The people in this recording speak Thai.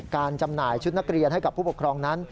จำหน่ายชุดนักเรียนให้กับผู้ปกครองนั้น